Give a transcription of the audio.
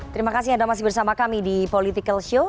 terima kasih anda masih bersama kami di political show